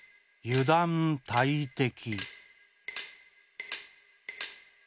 油断大敵。